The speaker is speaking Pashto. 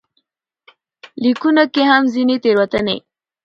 ليکنښو کې هم ځينې تېروتنې